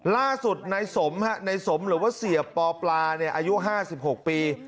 ล่าสุดนายสมในสมหรือว่าเสียปอปลาอายุ๕๖ปี